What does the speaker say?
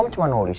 aku mau lihat